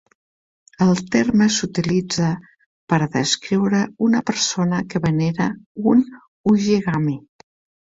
El terme s'utilitza per descriure una persona que venera un ujigami.